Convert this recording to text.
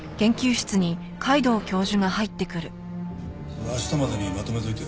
それ明日までにまとめといて。